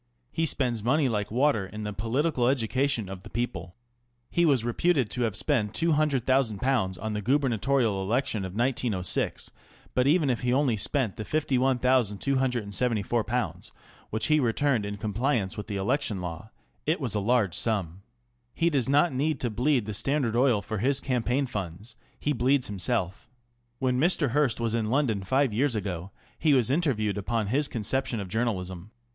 He spends money like water in the political education of the people. He was reputed to have spent ^┬Ż200,000 on the guber natorial election in 1906, but even if he only spent the ^51,274, which he returned in compliance with the election law, it was a large sum. He does not need to bleed the Standard Oil for his campaign funds; he bleeds himself. When Mr. Hearst was in London five years ago he was interviewed upon his conception of journalism.